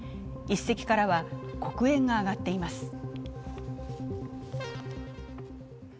１隻からは黒煙が上がっています。